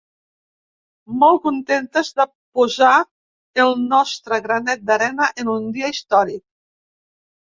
Molt contentes de posar el nostre granet d'arena en un dia històric.